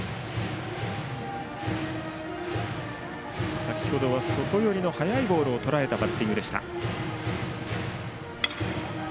先ほどは外寄りの速いボールをとらえたバッティングでした。